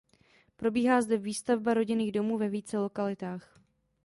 Probíhá zde výstavba rodinných domů ve více lokalitách.